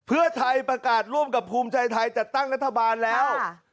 เพื่อไทยประกาศร่วมกับภูมิใจไทยจัดตั้งรัฐบาลแล้ว